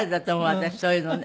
私そういうのね。